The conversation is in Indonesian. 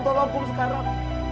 tolong kum sekarang